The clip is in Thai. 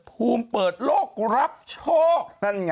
ปลูมปรึกรับโชค